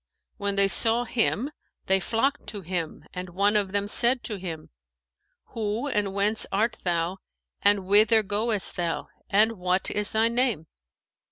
When they saw him, they flocked to him and one of them said to him, 'Who and whence art thou and whither goest thou. and what is thy name?'